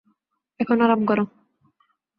এখন আরাম করো।